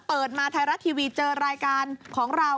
เปิดมาไทยรัฐทีวีเจอรายการของเรา